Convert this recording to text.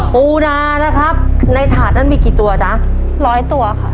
ปูนานะครับในถาดนั้นมีกี่ตัวจ๊ะร้อยตัวค่ะ